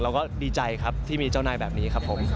เราก็ดีใจครับที่มีเจ้านายแบบนี้ครับผม